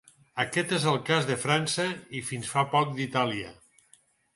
Aquest és el cas de França i fins fa poc d'Itàlia.